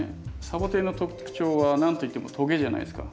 サボテンの特徴は何といってもトゲじゃないですか。